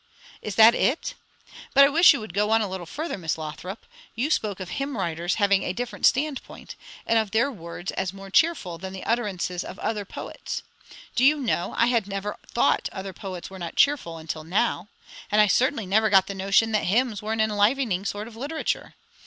"Is that it! But I wish you would go on a little further, Miss Lothrop. You spoke of hymn writers having a different standpoint, and of their words as more cheerful than the utterances of other poets. Do you know, I had never thought other poets were not cheerful, until now; and I certainly never got the notion that hymns were an enlivening sort of literature.